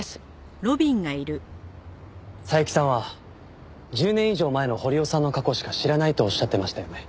佐伯さんは１０年以上前の堀尾さんの過去しか知らないとおっしゃってましたよね。